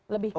lebih ke apa